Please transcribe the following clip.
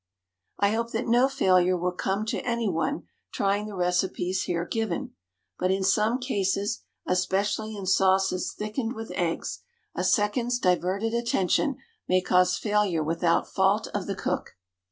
I hope that no failure will come to any one trying the recipes here given, but in some cases, especially in sauces thickened with eggs, a second's diverted attention may cause failure without fault of the cook.